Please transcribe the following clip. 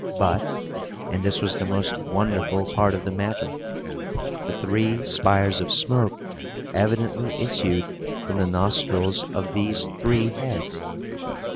But and this was the most wonderful part of the matter the three spires of smoke evidently issued from the nostrils of these three heads!